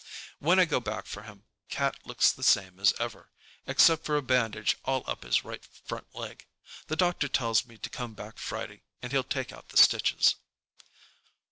When I go back for him, Cat looks the same as ever, except for a bandage all up his right front leg. The doctor tells me to come back Friday and he'll take out the stitches.